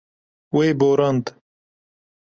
Wê borand.